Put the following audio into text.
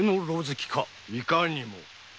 いかにも。